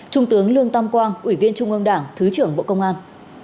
trung tướng lương tam quang ủy viên trung ương đảng thứ trưởng bộ công an